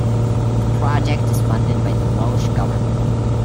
The project is funded by the Welsh Government.